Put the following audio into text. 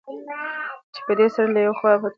چې پدي سره له يوې خوا په ټولنه كې دين اقامه سي